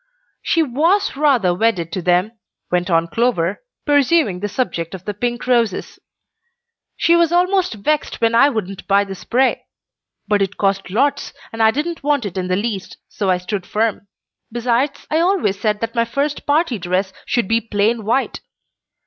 "She was rather wedded to them," went on Clover, pursuing the subject of the pink roses. "She was almost vexed when I wouldn't buy the spray. But it cost lots, and I didn't want it in the least, so I stood firm. Besides, I always said that my first party dress should be plain white.